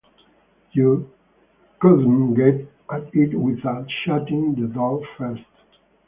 You couldn’t get at it without shutting the door first.